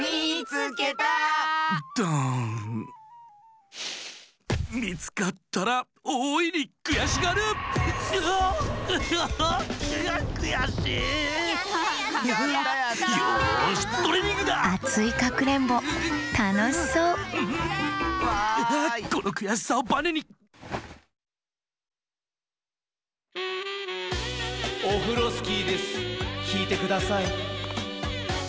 きいてください。